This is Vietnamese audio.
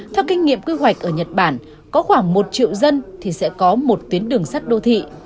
theo kinh nghiệm quy hoạch ở nhật bản có khoảng một triệu dân thì sẽ có một tuyến đường sắt đô thị